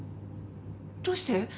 どうして？